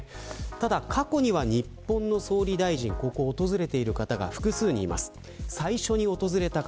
ただ過去には、日本の総理大臣ここを訪れている方が複数人います。